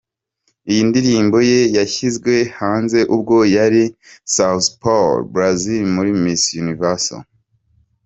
Iyi ndirimbo ye yashyizwe hanze ubwo yari i São Paulo, Brazil muri Miss Universe.